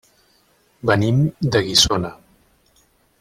Venim de Guissona.